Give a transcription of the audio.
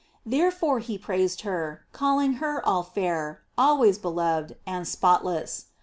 Therefore he praised her, calling her all fair, always beloved, and spotless.